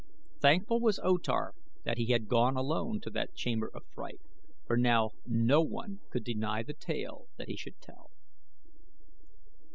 Thankful was O Tar that he had gone alone to that chamber of fright, for now no one could deny the tale that he should tell.